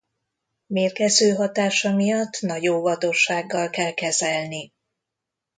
Mérgező hatása miatt nagy óvatossággal kell kezelni.